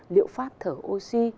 liệu pháp thở oxy